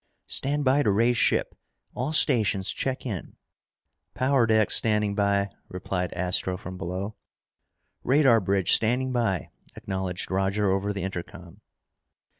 "Stand by to raise ship! All stations check in!" "Power deck standing by!" replied Astro from below. "Radar bridge standing by!" acknowledged Roger over the intercom.